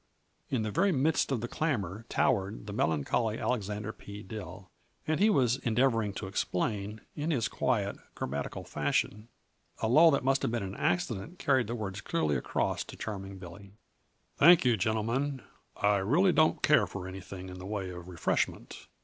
In the very midst of the clamor towered the melancholy Alexander P. Dill, and he was endeavoring to explain, in his quiet, grammatical fashion. A lull that must have been an accident carried the words clearly across to Charming Billy. "Thank you, gentlemen. I really don't care for anything in the way of refreshment.